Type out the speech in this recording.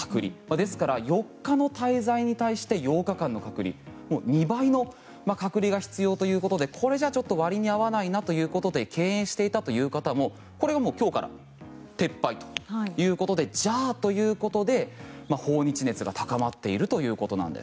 ですから、４日の滞在に対して８日の隔離もう２倍の隔離が必要ということでこれじゃ、ちょっと割に合わないなということで敬遠していたという人も今日から撤廃ということでじゃあということで訪日熱が高まっているということです。